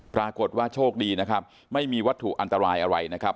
ปรากฏว่าโชคดีนะครับไม่มีวัตถุอันตรายอะไรนะครับ